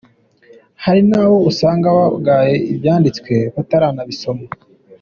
"Hari n'abo usanga bagaya ivyanditswe bataranabisoma.